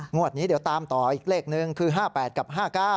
งวดนี้เดี๋ยวตามต่ออีกเลขนึงคือ๕๘กับ๕๙